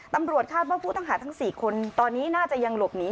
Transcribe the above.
ตำรวจคาดว่าผู้ต้องหาทั้ง๔คนตอนนี้น่าจะยังหลบหนี